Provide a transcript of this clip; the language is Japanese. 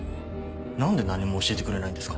何で何も教えてくれないんですか？